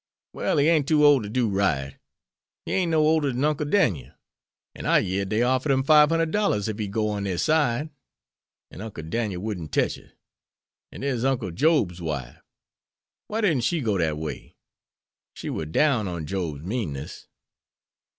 "Well he ain't too ole ter do right. He ain't no older dan Uncle Dan'el. An' I yered dey offered him $500 ef he'd go on dere side. An' Uncle Dan'el wouldn't tech it. An' dere's Uncle Job's wife; why didn't she go dat way? She war down on Job's meanness."